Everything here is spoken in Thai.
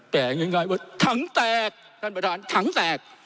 แต่ง่ายว่าถังแตกท่านประธานถังแตก